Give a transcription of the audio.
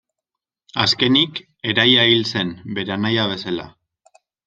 Azkenik, eraila hil zen, bere anaia bezala.